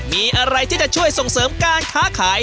มีอะไรที่จะช่วยส่งเสริมการค้าขาย